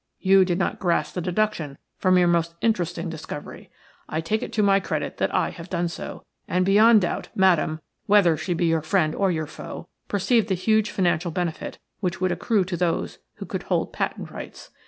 You did not grasp the deduction from your most interesting discovery. I take it to my credit that I have done so, and beyond doubt Madame, whether she be your friend or your foe, perceived the huge financial benefit which would accrue to those who could hold patent rights.